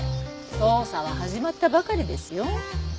捜査は始まったばかりですよ。